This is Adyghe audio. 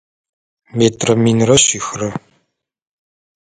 Метрэ минрэ шъихрэ.